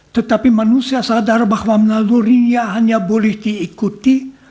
tetapi manusia sadar bahwa nagloria hanya boleh diikuti